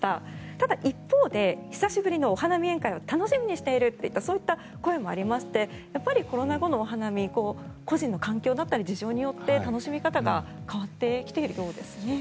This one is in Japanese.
ただ、一方で久しぶりのお花見宴会を楽しみにしているといったそういった声もありましてコロナ後のお花見個人の環境だったり事情によって楽しみ方が変わってきているようですね。